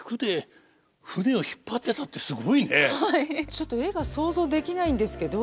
ちょっと絵が想像できないんですけど。